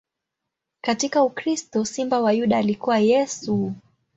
Katika ukristo, Simba wa Yuda alikuwa Yesu.